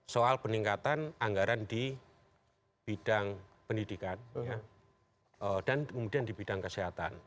soal peningkatan anggaran di bidang pendidikan dan kemudian di bidang kesehatan